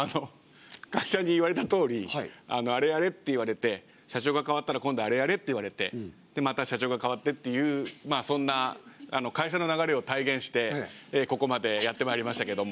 会社に言われたとおり「あれやれ」って言われて社長が替わったら今度「あれやれ」って言われてまた社長が替わってっていうそんな会社の流れを体現してここまでやってまいりましたけども。